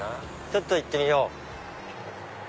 ちょっと行ってみよう。